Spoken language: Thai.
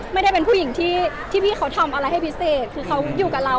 ไม่ได้เป็นผู้หญิงที่พี่เขาทำอะไรให้พิเศษคือเขาอยู่กับเรา